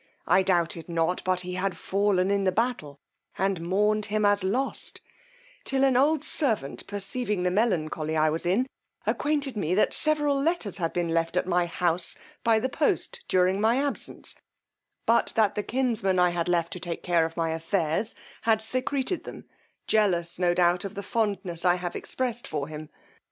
I doubted not but he had fallen in the battle, and mourned him as lost; till an old servant perceiving the melancholy I was in, acquainted me that several letters had been left at my house by the post during my absence, but that the kinsman I had left to take care of my affairs had secreted them, jealous, no doubt, of the fondness I have expressed for him.